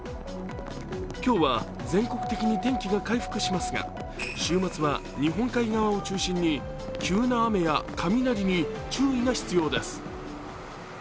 今日は全国的に天気が回復しますが、週末は日本海側を中心に急な雨や雷に注意が必要です。